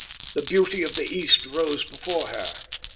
The beauty of the East rose before her.